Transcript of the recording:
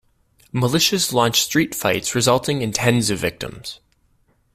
Militias launched street fights resulting in tens of victims.